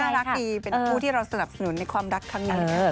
น่ารักดีเป็นคนที่เราสนับสนุนในความรักข้างใหญ่